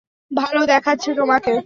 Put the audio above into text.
ভালো দেখাচ্ছে তোমাকে।